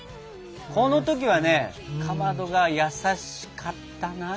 この時はねかまどが優しかったなあ！